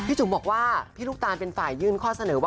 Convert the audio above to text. จุ๋มบอกว่าพี่ลูกตาลเป็นฝ่ายยื่นข้อเสนอว่า